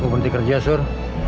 gue berhenti kerja sur